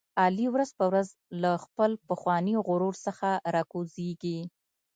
علي ورځ په ورځ له خپل پخواني غرور څخه را کوزېږي.